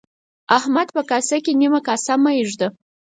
احمده! په کاسه کې نيمه کاسه مه اېږده.